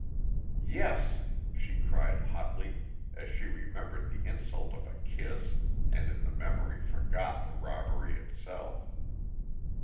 "Yes," she cried hotly as she remembered the insult of a kiss and in the memory forgot the robbery itself.